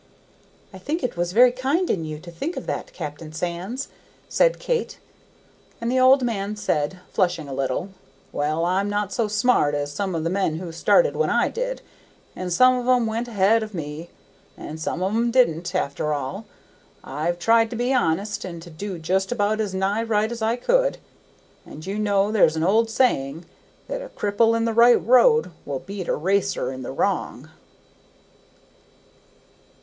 "I think it was very kind in you to think of that, Captain Sands," said Kate. And the old man said, flushing a little, "Well, I'm not so smart as some of the men who started when I did, and some of 'em went ahead of me, but some of 'em didn't, after all. I've tried to be honest, and to do just about as nigh right as I could, and you know there's an old sayin' that a cripple in the right road will beat a racer in the wrong."